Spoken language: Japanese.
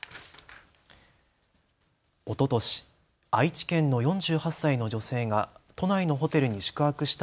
おととし愛知県の４８歳の女性が都内のホテルに宿泊した